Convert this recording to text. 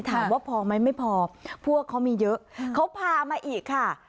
ถามว่าพอไหมไม่พอพวกเขามีเยอะเขาพามาอีกค่ะ